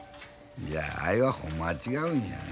いやあいはほんまは違うんや。